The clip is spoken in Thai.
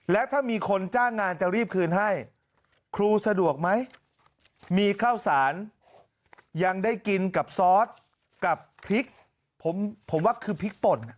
และถ้ามีคนจ้างงานจะรีบคืนให้ครูสะดวกไหมมีข้าวสารยังได้กินกับซอสกับพริกผมว่าคือพริกป่น